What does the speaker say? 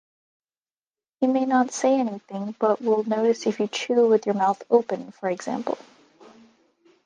He may not say anything but will notice if you chew with your mouth open, for example.